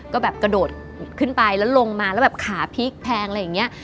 ก็แบบกระโดดขึ้นไปแล้วลงมาแล้วแบบขาพลิกแพงอะไรอย่างนี้